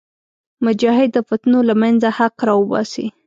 مجاهد د فتنو له منځه حق راوباسي.